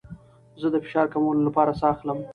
زه د فشار کمولو لپاره ساه اخلم.